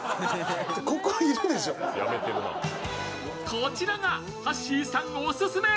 こちらがはっしーさんオススメ